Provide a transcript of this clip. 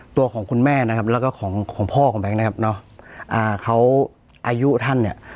ตัวของคุณแม่นะครับแล้วก็ของของพ่อของแบงค์นะครับเนอะอ่าเขาอายุท่านเนี่ย